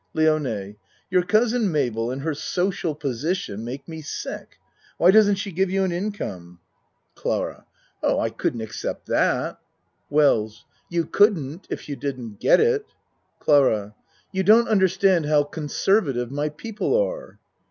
LIONE Your Cousin Mabel and her social posi tion make me sick. Why doesn't she give you an income ? 26 A MAN'S WORLD CLARA Oh, I couldn't accept that. WELLS You couldn't if you didn't get it. CLARA You don't understand how conservative my people are.